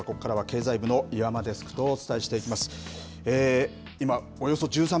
それではここからは経済部の岩間デスクとお伝えしていきます。